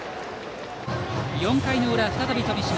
４回の裏、再び富島。